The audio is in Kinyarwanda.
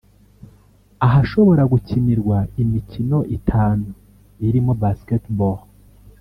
ahashobora gukinirwa imikino itanu irimo Basketball